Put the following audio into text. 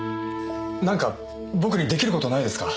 なんか僕に出来る事ないですか？